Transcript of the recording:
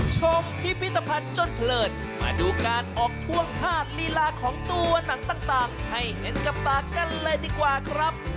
ชมพิพิธภัณฑ์จนเพลินมาดูการออกท่วงธาตุลีลาของตัวหนังต่างให้เห็นกับตากันเลยดีกว่าครับ